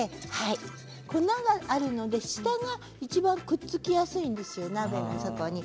粉があるので下がいちばんくっつきやすいんですよ、鍋の底に。